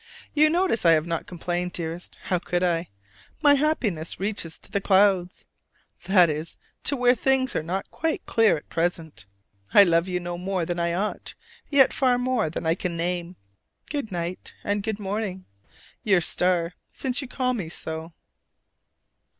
You notice I have not complained. Dearest, how could I! My happiness reaches to the clouds that is, to where things are not quite clear at present. I love you no more than I ought: yet far more than I can name. Good night and good morning. Your star, since you call me so.